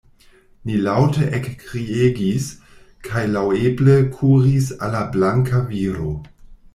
Ni laŭte ekkriegis, kaj laŭeble kuris al la blanka viro.